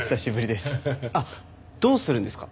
あっどうするんですか？